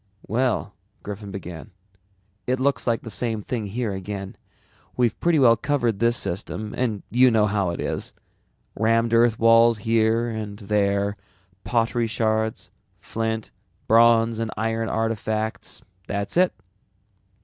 "Well," Griffin began, "it looks like the same thing here again. We've pretty well covered this system and you know how it is. Rammed earth walls here and there, pottery shards, flint, bronze and iron artifacts and that's it.